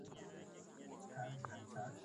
Kwenda ku mashamba paka u pande moto